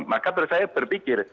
maka terus saya berpikir